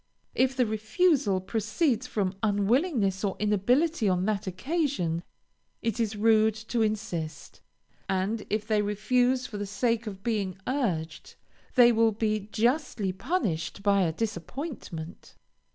If the refusal proceeds from unwillingness or inability on that occasion, it is rude to insist; and if they refuse for the sake of being urged, they will be justly punished by a disappointment.